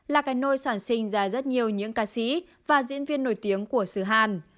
là cái nôi sản sinh ra rất nhiều những ca sĩ và diễn viên nổi tiếng của xứ hàn